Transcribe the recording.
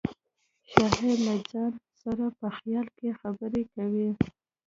شاعر له ځان سره په خیال کې خبرې کوي